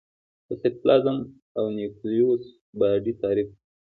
د سایتوپلازم او نیوکلیوس باډي تعریف کړي.